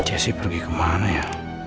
jesse pergi kemana ya